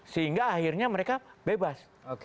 sehingga akhirnya mereka bebas